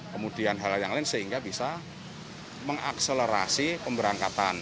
kemudian hal yang lain sehingga bisa mengakselerasi pemberangkatan